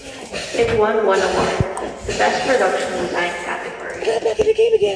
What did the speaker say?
It won one award - the Best Production Design category.